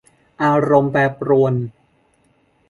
อารมณ์แปรปรวน